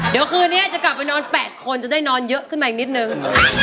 เดี๋ยวคืนนี้จะกลับไปนอน๘คนจะได้นอนเยอะขึ้นมาอีกนิดนึง